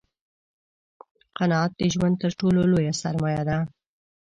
قناعت دژوند تر ټولو لویه سرمایه ده